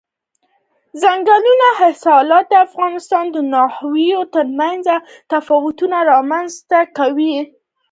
دځنګل حاصلات د افغانستان د ناحیو ترمنځ تفاوتونه رامنځ ته کوي.